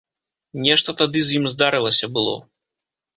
Нешта тады з ім здарылася было.